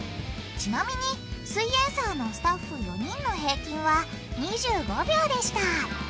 ちなみに「すイエんサー」のスタッフ４人の平均は２５秒でした。